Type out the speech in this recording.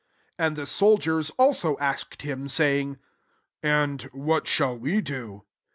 14 And the soldiers also asked him, saying, " And what shall we do